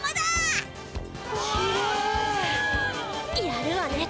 やるわね